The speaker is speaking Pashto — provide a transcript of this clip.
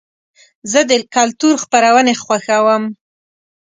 زه د کلتور خپرونې خوښوم.